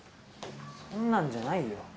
そんなんじゃないよ。